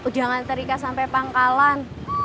jangan terika sampai pangkalan